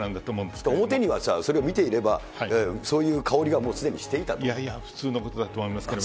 けれ表には、それを見ていれば、そういう香りがもう、いやいや、普通のことだと思そうですか。